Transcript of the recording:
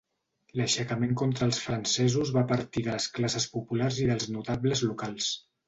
L'aixecament contra els francesos va partir de les classes populars i dels notables locals.